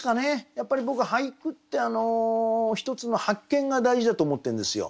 やっぱり僕俳句って一つの発見が大事だと思ってるんですよ。